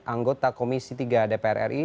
anggota komisi tiga dpr ri